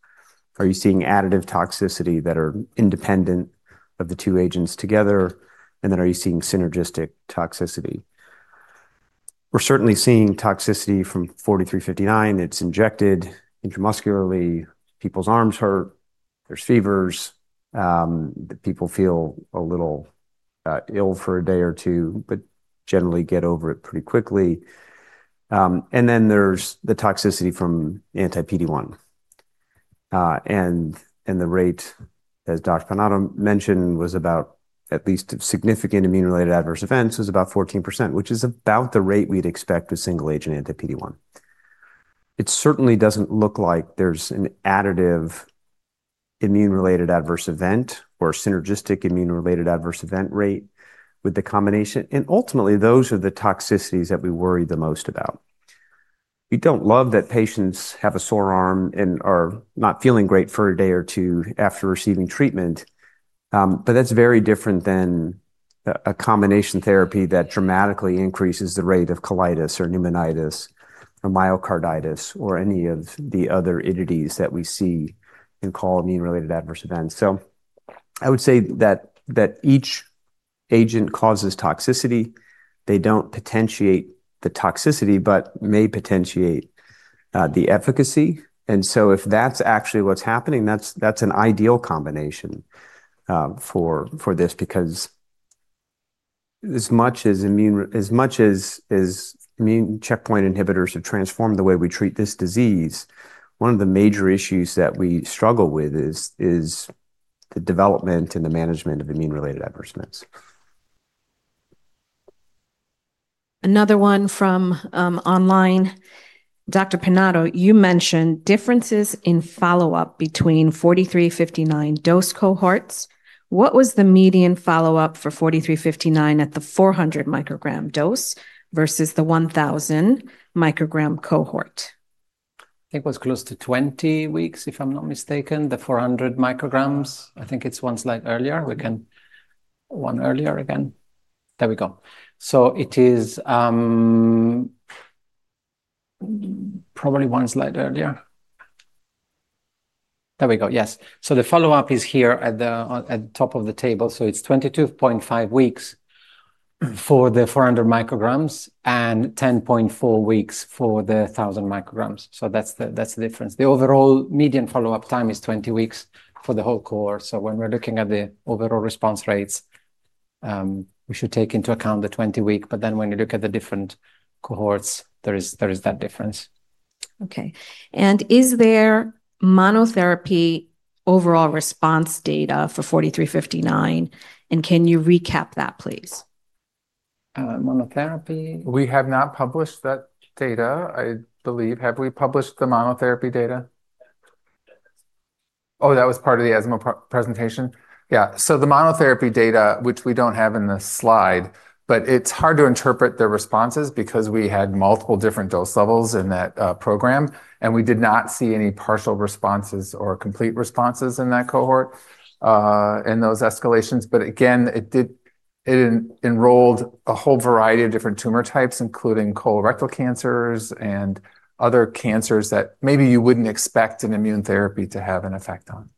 Are you seeing additive toxicity that are independent of the two agents together? Are you seeing synergistic toxicity? We're certainly seeing toxicity from mRNA-4359. It's injected intramuscularly. People's arms hurt. There's fevers. People feel a little ill for a day or two, but generally get over it pretty quickly. There's the toxicity from anti-PD-1. The rate, as Dr. Pinato mentioned, was about at least significant immune-related adverse events was about 14%, which is about the rate we'd expect with single-agent anti-PD-1. It certainly doesn't look like there's an additive immune-related adverse event or synergistic immune-related adverse event rate with the combination. Ultimately, those are the toxicities that we worry the most about. We don't love that patients have a sore arm and are not feeling great for a day or two after receiving treatment. That's very different than a combination therapy that dramatically increases the rate of colitis or pneumonitis or myocarditis or any of the other entities that we see and call immune-related adverse events. I would say that each agent causes toxicity. They don't potentiate the toxicity, but may potentiate the efficacy. If that's actually what's happening, that's an ideal combination for this because as much as immune checkpoint inhibitors have transformed the way we treat this disease, one of the major issues that we struggle with is the development and the management of immune-related adverse events. Another one from online. Dr. Pinato, you mentioned differences in follow-up between mRNA-4359 dose cohorts. What was the median follow-up for mRNA-4359 at the 400 μg dose versus the 1,000 μg cohort? I think it was close to 20 weeks, if I'm not mistaken, the 400 μg. I think it's one slide earlier. We can one earlier again. There we go. It is probably one slide earlier. There we go. Yes. The follow-up is here at the top of the table. It's 22.5 weeks for the 400 μg and 10.4 weeks for the 1,000 μg. That's the difference. The overall median follow-up time is 20 weeks for the whole cohort. When we're looking at the overall response rates, we should take into account the 20-week. When you look at the different cohorts, there is that difference. OK. Is there monotherapy overall response data for mRNA-4359? Can you recap that, please? Monotherapy. We have not published that data, I believe. Have we published the monotherapy data? Oh, that was part of the ESMO presentation? Yeah. The monotherapy data, which we don't have in the slide, is hard to interpret because we had multiple different dose levels in that program. We did not see any partial responses or complete responses in that cohort in those escalations. It enrolled a whole variety of different tumor types, including colorectal cancers and other cancers that maybe you wouldn't expect an immune therapy to have an effect on.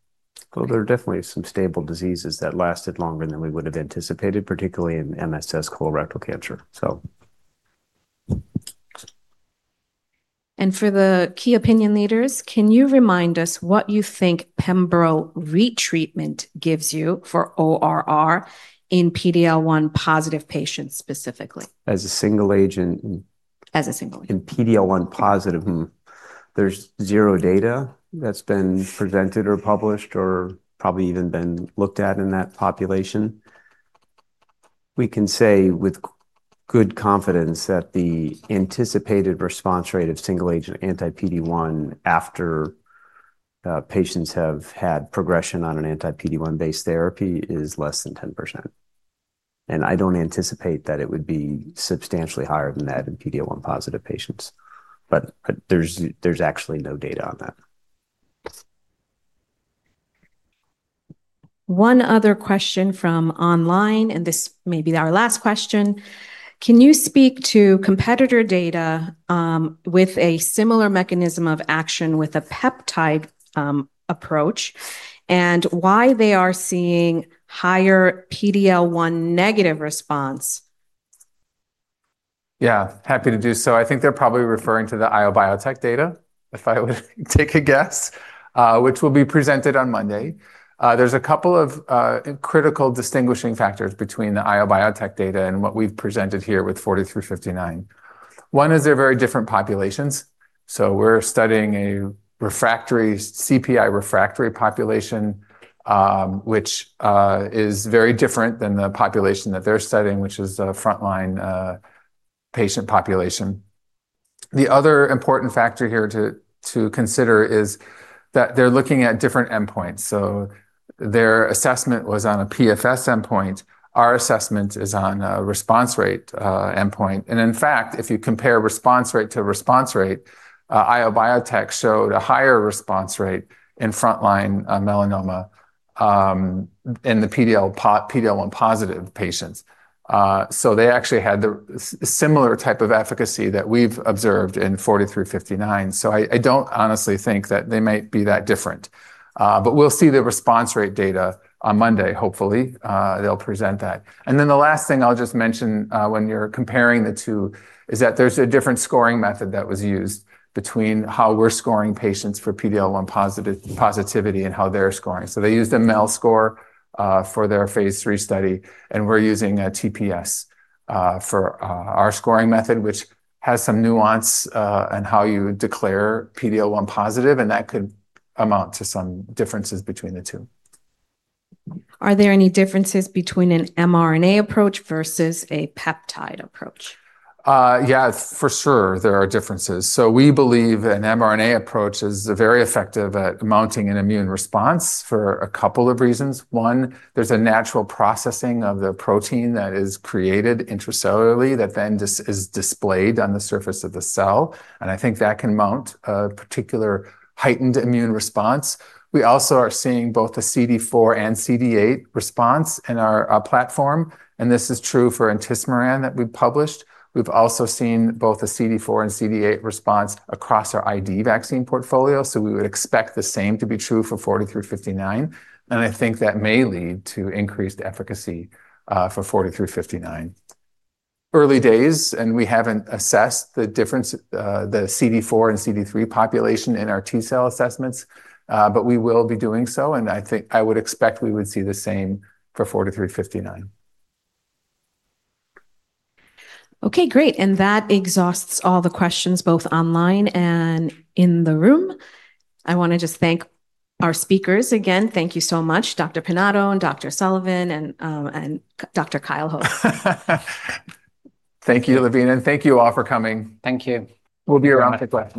There are definitely some stable diseases that lasted longer than we would have anticipated, particularly in MSS colorectal cancer. For the key opinion leaders, can you remind us what you think pembro retreatment gives you for ORR in PD-L1 positive patients specifically? As a single agent? As a single agent. In PD-L1 positive, there's zero data that's been presented or published or probably even been looked at in that population. We can say with good confidence that the anticipated response rate of single-agent anti-PD-1 after patients have had progression on an anti-PD-1-based therapy is less than 10%. I don't anticipate that it would be substantially higher than that in PD-L1 positive patients. There's actually no data on that. One other question from online. This may be our last question. Can you speak to competitor data with a similar mechanism of action with a peptide approach and why they are seeing higher PD-L1 negative response. Yeah, happy to do so. I think they're probably referring to the IO Biotech data, if I would take a guess, which will be presented on Monday. There's a couple of critical distinguishing factors between the IO Biotech data and what we've presented here with mRNA-4359. One is they're very different populations. We're studying a refractory CPI refractory population, which is very different than the population that they're studying, which is the frontline patient population. The other important factor here to consider is that they're looking at different endpoints. Their assessment was on a PFS endpoint. Our assessment is on a response rate endpoint. In fact, if you compare response rate to response rate, IO Biotech showed a higher response rate in frontline melanoma in the PD-L1 positive patients. They actually had a similar type of efficacy that we've observed in mRNA-4359. I don't honestly think that they might be that different. We'll see the response rate data on Monday. Hopefully, they'll present that. The last thing I'll just mention when you're comparing the two is that there's a different scoring method that was used between how we're scoring patients for PD-L1 positivity and how they're scoring. They used a MEL score for their phase III study. We're using a TPS for our scoring method, which has some nuance in how you declare PD-L1 positive. That could amount to some differences between the two. Are there any differences between an mRNA approach versus a peptide approach? Yeah, for sure, there are differences. We believe an mRNA approach is very effective at mounting an immune response for a couple of reasons. One, there's a natural processing of the protein that is created intracellularly that then is displayed on the surface of the cell. I think that can mount a particular heightened immune response. We also are seeing both a CD4 and CD8 response in our platform. This is true for intismeran that we published. We've also seen both a CD4 and CD8 response across our ID vaccine portfolio. We would expect the same to be true for mRNA-4359. I think that may lead to increased efficacy for mRNA-4359. Early days, and we haven't assessed the difference, the CD4 and CD3 population in our T-cell assessments. We will be doing so. I think I would expect we would see the same for mRNA-4359. OK, great. That exhausts all the questions, both online and in the room. I want to just thank our speakers again. Thank you so much, Dr. Marco Pinato and Dr. Ryan Sullivan and Dr. Kyle Hogan. Thank you, Lavina. Thank you all for coming. Thank you. We'll be around for a bit.